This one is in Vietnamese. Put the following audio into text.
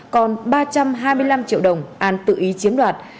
còn ba trăm hai mươi năm triệu đồng an tự ý chiếm đoạt